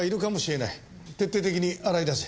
徹底的に洗い出せ。